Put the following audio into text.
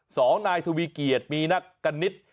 สองนายถุวิเกียจมีนกกันนิส